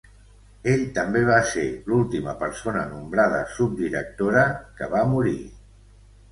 Ell també va ser l'última persona nombrada subdirectora que va morir.